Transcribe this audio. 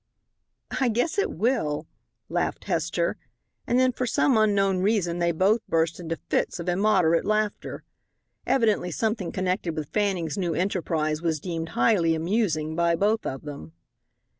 "I guess it will," laughed Hester, and then, for some unknown reason, they both burst into fits of immoderate laughter. Evidently something connected with Fanning's new enterprise was deemed highly amusing by both of them.